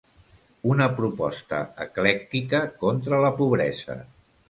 Una proposta eclèctica contra la pobresa.